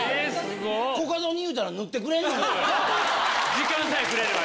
時間さえくれれば。